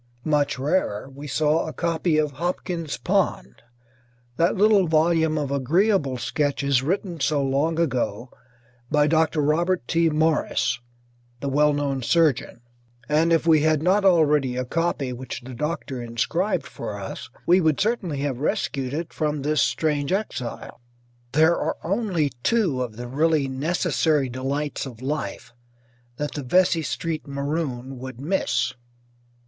Much rarer, we saw a copy of "Hopkins's Pond," that little volume of agreeable sketches written so long ago by Dr. Robert T. Morris, the well known surgeon, and if we had not already a copy which the doctor inscribed for us we would certainly have rescued it from this strange exile. There are only two of the really necessary delights of life that the Vesey Street maroon would miss.